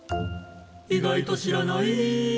「意外と知らない」